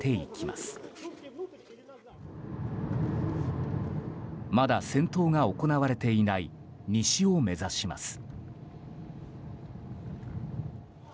まだ戦闘が行われていない西を目指します。